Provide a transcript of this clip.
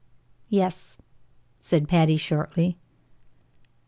"Yes," said Patty, shortly.